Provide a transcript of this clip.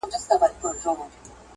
په دوهم قدم کي د کور تنظیم دی